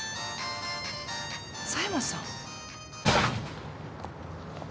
狭山さん。